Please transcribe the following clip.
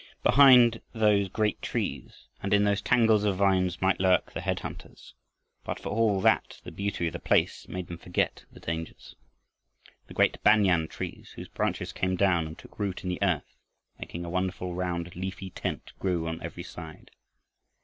Behind those great trees and in those tangles of vines might lurk the head hunters, but for all that the beauty of the place made them forget the dangers. The great banyan trees whose branches came down and took root in the earth, making a wonderful round leafy tent, grew on every side.